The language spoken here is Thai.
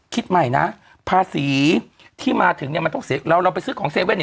คิดใหม่นะภาษีที่มาถึงเนี่ยมันต้องเสียแล้วเราไปซื้อของเซเว่นเนี่ย